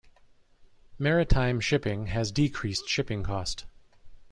Maritime shipping has decreased shipping cost.